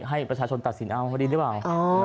ให้ประชาชนตัดสินเอาพอดีหรือเปล่า